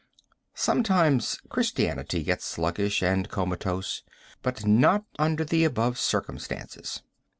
Sometimes Christianity gets sluggish and comatose, but not under the above circumstances.